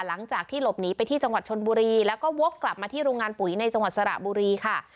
หลังจากที่หลบหนีไปที่จังหวัดชนบุรีแล้วก็วกกลับมาที่โรงงานปุ๋ยในจังหวัดสระบุรีค่ะ